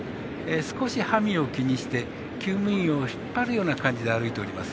少し馬銜を気にしてきゅう務員を引っ張るような感じで歩いています。